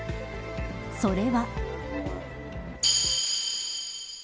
それは。